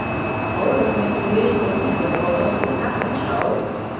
討論粵語請移玉步到其他群組